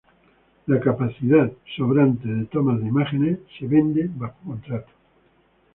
La capacidad sobrante de toma de imágenes es vendida bajo contrato.